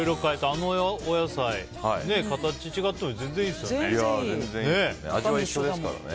あのお野菜形が違っても全然いいですよね。